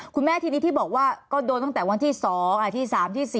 คุณแม่ทีนี้ที่บอกว่าก็โดนตั้งแต่วันที่๒ที่๓ที่๔